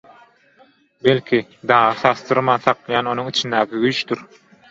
Belki, dagy sarsdyrman saklaýan onuň içindäki güýçdür?